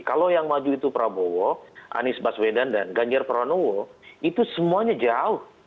kalau yang maju itu prabowo anies baswedan dan ganjar pranowo itu semuanya jauh